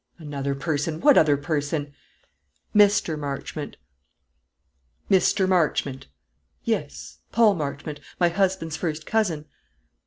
"Another person! What other person?" "Mr. Marchmont." "Mr. Marchmont!" "Yes; Paul Marchmont, my husband's first cousin."